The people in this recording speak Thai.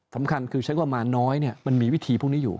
สำคัญคือใช้ความมาน้อยมันมีวิธีพวกนี้อยู่